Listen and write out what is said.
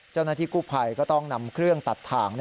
เจ้านาฬิกุภัยก็ต้องนำเครื่องตัดถาง